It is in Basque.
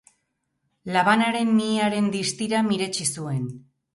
Labanaren mihiaren distira miretsi zuen.